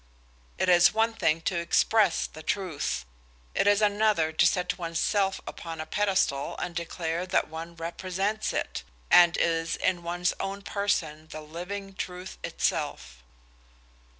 It is one thing to express a truth, it is another to set one's self upon a pedestal and declare that one represents it, and is in one's own person the living truth itself.